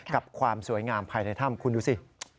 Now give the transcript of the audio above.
กับความสวยงามภายในถ้ำคุณดูสิ